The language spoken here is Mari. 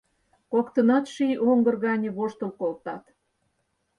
Коктынат ший оҥгыр гане воштыл колтат.